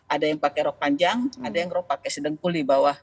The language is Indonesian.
ada yang pakai rok panjang ada yang rok pakai sedengkul di bawah